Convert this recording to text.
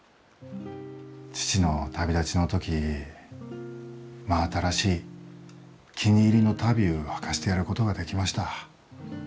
父の旅立ちの時真新しい気に入りの足袋うはかせてやることができました。